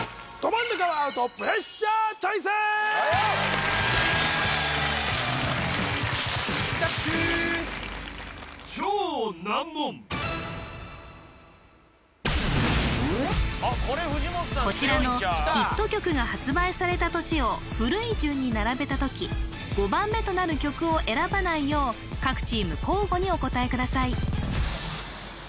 これ藤本さん強いんちゃうこちらのヒット曲が発売された年を古い順に並べた時５番目となる曲を選ばないよう各チーム交互にお答えください